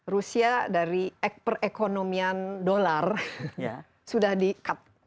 rusia dari perekonomian dolar sudah di cut